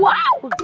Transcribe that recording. bela dirt banget